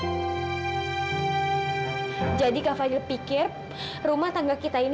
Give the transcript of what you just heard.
lihat aja kak afa dia sampai nangis begini